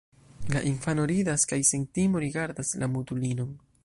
La infano ridas kaj sen timo rigardas la mutulinon.